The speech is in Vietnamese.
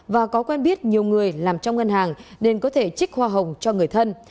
và có quen biết nhiều người làm trong ngân hàng nên có thể trích hoa hồng cho người thân